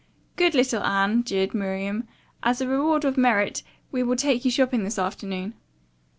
"Good little Anne," jeered Miriam. "As a reward of merit we will take you shopping this afternoon."